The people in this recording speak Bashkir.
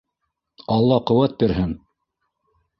— Алла ҡеүәт бирһен!